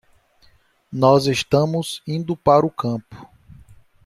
Nós estamos indo para o campo